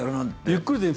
ゆっくりで。